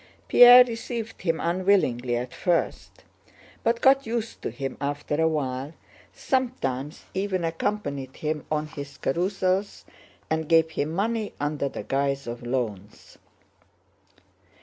Pierre received him unwillingly at first, but got used to him after a while, sometimes even accompanied him on his carousals, and gave him money under the guise of loans.